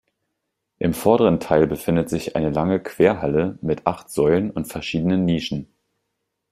Im vorderen Teil befindet sich eine lange Querhalle mit acht Säulen und verschiedenen Nischen.